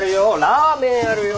ラーメンあるよ。